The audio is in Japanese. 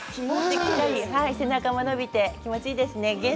背中が伸びて気持ちがいいですよね。